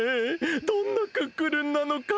どんなクックルンなのか？